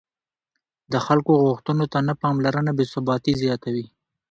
د خلکو غوښتنو ته نه پاملرنه بې ثباتي زیاتوي